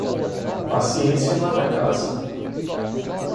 Paciência mata a caça.